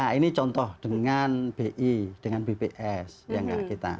ya ini contoh dengan bi dengan bps ya gak kita